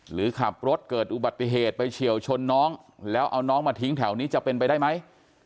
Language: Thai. หรือขับรถเกิดอุบัติเหตุไปเฉียวชนน้องแล้วเอาน้องมาทิ้งแถวนี้จะเป็นไปได้ไหม